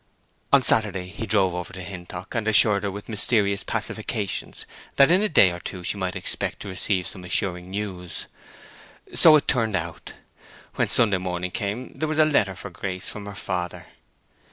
On Saturday he drove over to Hintock, and assured her with mysterious pacifications that in a day or two she might expect to receive some assuring news. So it turned out. When Sunday morning came there was a letter for Grace from her father.